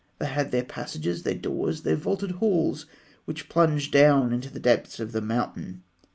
They had their passages, their doors, their vaulted halls, which plunged down into the depths of the mountain.